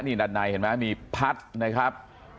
นี่ด้านในเห็นไหมมีพัดนะครับ